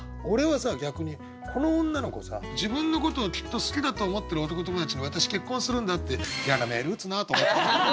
俺はさ逆にこの女の子さ自分のことをきっと好きだと思ってる男友達に「私結婚するんだ」って嫌なメール打つなと思った。